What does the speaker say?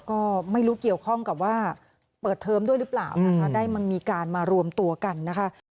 ก็ไม่รู้เกี่ยวข้องกับว่าเปิดเทอมด้วยหรือเปล่านะคะได้มันมีการมารวมตัวกันนะคะ